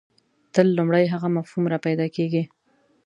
تل لومړی هغه مفهوم راپیدا کېږي.